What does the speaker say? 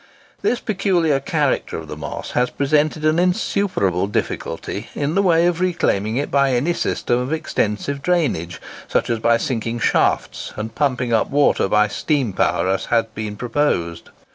This peculiar character of the Moss has presented an insuperable difficulty in the way of reclaiming it by any system of extensive drainage—such as by sinking shafts, and pumping up the water by steam power, as has been proposed.